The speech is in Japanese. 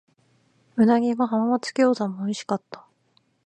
鰻も浜松餃子も美味しかった。